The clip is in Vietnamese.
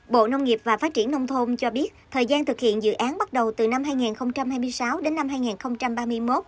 bộ nông nghiệp và phát triển nông thôn cho biết thời gian thực hiện dự án bắt đầu từ năm hai nghìn hai mươi sáu đến năm hai nghìn ba mươi một